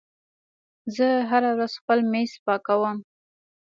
زه هره ورځ خپل میز پاکوم.